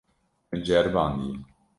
Min ceribandiye.